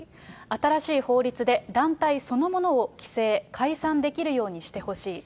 新しい法律で、団体そのものを規制、解散できるようにしてほしい。